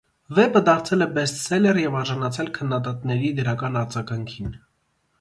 Վեպը դարձել է բեսթսելլեր և արժանացել քննադատների դրական արձագանքին։